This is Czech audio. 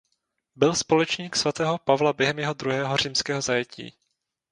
Byl společník svatého Pavla během jeho druhého římského zajetí.